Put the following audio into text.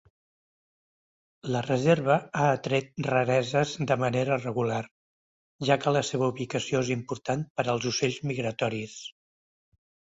La reserva ha atret rareses de manera regular, ja que la seva ubicació és important per als ocells migratoris.